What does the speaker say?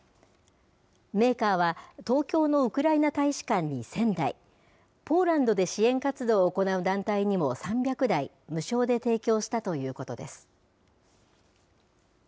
メーカーは東京のウクライナ大使館に１０００台、ポーランドで支援活動を行う団体にも３００台、無償で提供したということです。